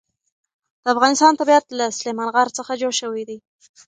د افغانستان طبیعت له سلیمان غر څخه جوړ شوی دی.